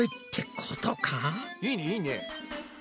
いいねいいね。